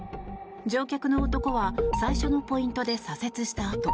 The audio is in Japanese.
乗客の男は最初のポイントで左折したあと